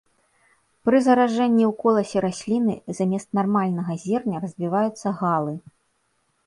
Пры заражэнні ў коласе расліны замест нармальнага зерня развіваюцца галы.